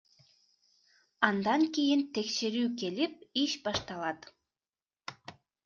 Андан кийин текшерүү келип, иш башталат.